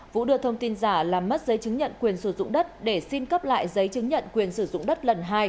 vũ đưa thông tin giả làm mất giấy chứng nhận quyền sử dụng đất để xin cấp lại giấy chứng nhận quyền sử dụng đất lần hai